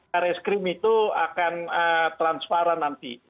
pak reskim itu akan transparan nanti